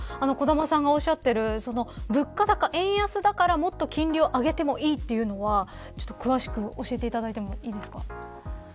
小玉さんがおっしゃっている物価高、円安だからもっと金利を上げてもいいというのは詳しく教えていただいてもいいですか。